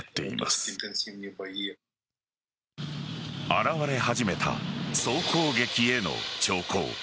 表れ始めた総攻撃への兆候。